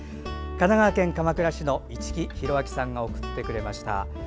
神奈川県鎌倉市の市来広昭さんが送ってくれました。